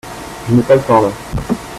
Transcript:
Je n'ai pas le temps là.